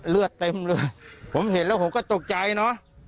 เลือดเต็มเลยผมเห็นแล้วผมก็ตกใจเนอะ